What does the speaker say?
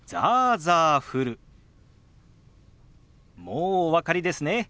もうお分かりですね。